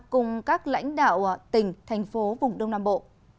cùng các lãnh đạo tỉnh thành phố vùng đông nam bộ